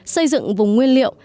xây dựng vùng nguyên liệu